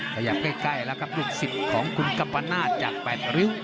ขยับใกล้แล้วครับลูกศิษย์ของคุณกัมปนาศจาก๘ริ้ว